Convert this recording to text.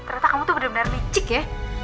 ternyata kamu tuh bener bener micik ya